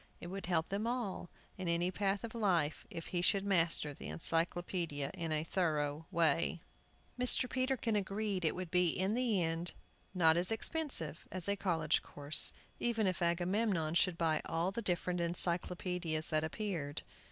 It would help them all, in any path of life, if he should master the Encyclopædia in a thorough way. Mr. Peterkin agreed it would in the end be not as expensive as a college course, even if Agamemnon should buy all the different Encyclopædias that appeared.